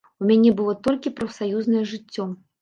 У мяне было толькі прафсаюзнае жыццё.